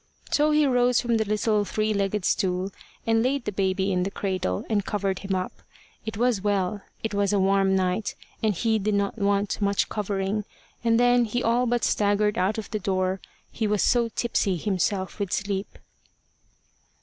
So he rose from the little three legged stool, and laid the baby in the cradle, and covered him up it was well it was a warm night, and he did not want much covering and then he all but staggered out of the door, he was so tipsy himself with sleep.